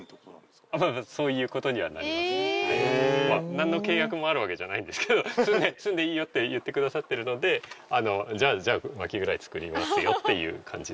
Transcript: なんの契約もあるわけじゃないんですけど「住んでいいよ」って言ってくださってるので「じゃあ薪ぐらい作りますよ」っていう感じでやってる。